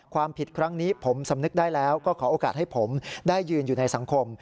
ความผิดครั้งนี้ผมสำนึกได้แล้วก็ขอโอกาสให้ผมได้ยืนอยู่ในสังคม